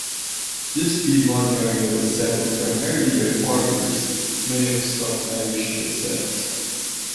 This Piedmont area was settled primarily by farmers, many of Scots-Irish descent.